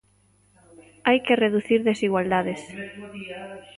Hai que reducir desigualdades.